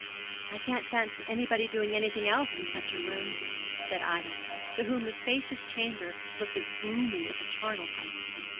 'I can't fancy anybody doing anything else in such a room,' said Ida, to whom the spacious chamber looked as gloomy as a charnel house.